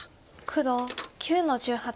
黒９の十八。